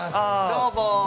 どうも。